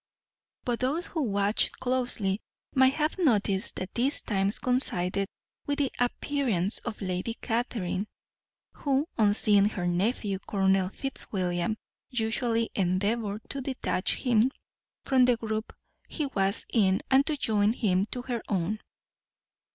But those who watched closely might have noticed that these times coincided with the appearance of Lady Catherine, who, on seeing her nephew Colonel Fitzwilliam, usually endeavoured to detach him from the group he was in and to join him to her own.